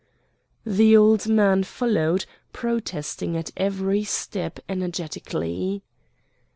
The old man followed, protesting at every step energetically.